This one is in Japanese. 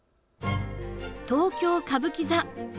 東京・歌舞伎座。